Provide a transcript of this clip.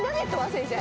先生。